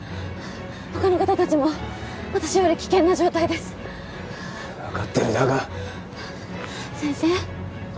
他の方達も私より危険な状態です分かってるだが先生